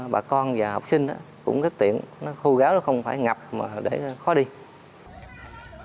bà con và học sinh cũng rất tiện nó khô gáo nó không phải ngập mà để khó đi